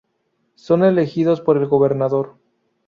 Son elegidos por el Gobernador.